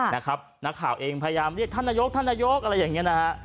นักข่าวเองพยายามเรียกท่านนายกท่านนายกอะไรอย่างนี้นะฮะ